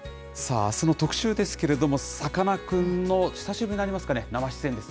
あすの特集ですけれども、さかなクンの久しぶりになりますかね、生出演です。